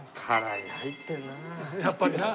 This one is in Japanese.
やっぱりな。